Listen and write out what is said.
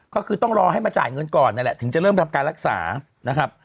ก็คือต้องรอให้มาจ่ายเงินก่อนนั่นแหละถึงจะเริ่มทำการรักษานะครับ